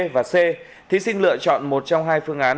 và c thí sinh lựa chọn một trong hai phương án